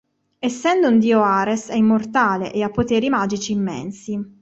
Essendo un dio Ares è immortale e ha poteri magici immensi.